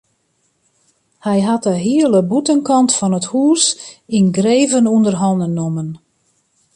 Hy hat de hiele bûtenkant fan it hûs yngreven ûnder hannen nommen.